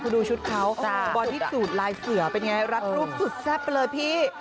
คุณดูชุดเขาบอดี้สูตรลายเสือเป็นไงรัดรูปสุดแซ่บไปเลยพี่